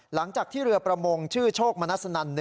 หลังจากที่เรือประมงชื่อโชคมนัสนัน๑